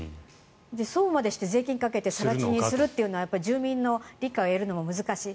そうまでして税金をかけて更地にするのはやっぱり住民の理解を得るのも難しい。